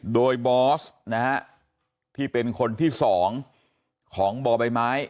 โดยบอสนะฮะที่เป็นคนที่๒ของบ่อใบไม้